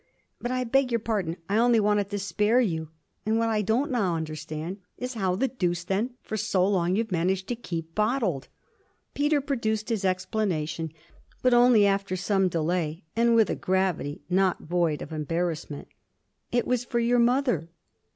But I beg your pardon. I only wanted to spare you. And what I don't now understand is how the deuce then for so long you've managed to keep bottled.' Peter produced his explanation, but only after some delay and with a gravity not void of embarrassment. 'It was for your mother.'